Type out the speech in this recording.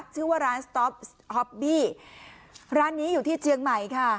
ชื่อว่าร้านสต๊อปฮอบบี้ร้านนี้อยู่ที่เจียงใหม่ค่ะ